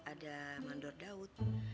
ada mandor daud